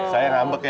saya ngambek ya